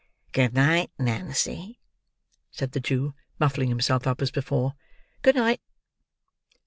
"Good night, Nancy," said the Jew, muffling himself up as before. "Good night."